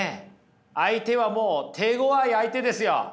相手はもう手ごわい相手ですよ。